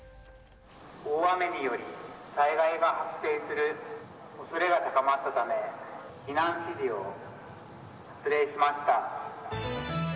大雨により、災害が発生するおそれが高まったため、避難指示を発令しました。